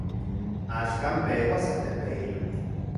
Axkan peuas altepeiluitl.